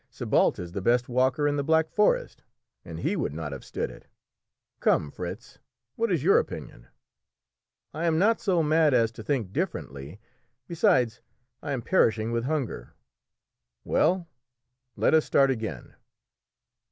Sébalt is the best walker in the Black Forest, and he would not have stood it. Come, Fritz, what is your opinion?" "I am not so mad as to think differently. Besides, I am perishing with hunger!" "Well, let us start again."